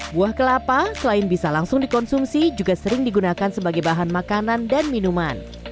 buah kelapa selain bisa langsung dikonsumsi juga sering digunakan sebagai bahan makanan dan minuman